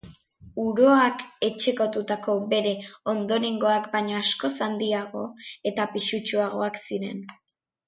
Uroak etxekotutako bere ondorengoak baino askoz handiago eta pisutsuagoak ziren.